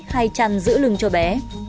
hay chăn giữ lưng cho bé